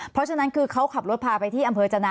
เพราะฉะนั้นคือเขาขับรถพาไปที่อำเภอจนะ